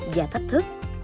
và thách thức